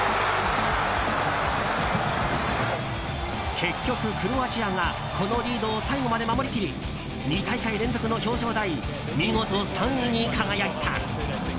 結局、クロアチアがこのリードを最後まで守りきり２大会連続の表彰台見事３位に輝いた。